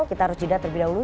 kita harus jeda terlebih dahulu